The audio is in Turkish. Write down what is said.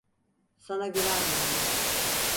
Sana güvenmiyorum.